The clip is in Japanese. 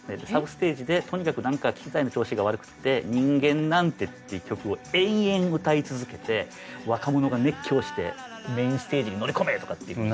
サブステージでとにかく何か機材の調子が悪くって「人間なんて」っていう曲を延々歌い続けて若者が熱狂して「メインステージに乗り込め！」とかって。